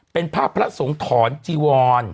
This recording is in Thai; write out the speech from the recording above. เป็นภาพพระสงถรจีวอน